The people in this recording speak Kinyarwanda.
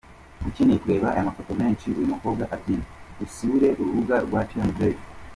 Ukeneye kureba amafoto menshi uyu mukobwa abyina asure urubuga rwa tmz.